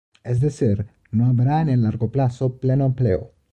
Es decir, no habrá, en el largo plazo, pleno empleo.